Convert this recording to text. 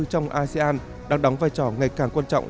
trong asean đang đóng vai trò ngày càng quan trọng